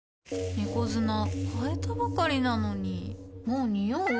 猫砂替えたばかりなのにもうニオう？